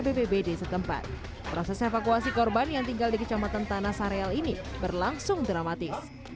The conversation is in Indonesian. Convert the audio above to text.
bbbd setempat proses evakuasi korban yang tinggal di kecamatan tanah sareal ini berlangsung dramatis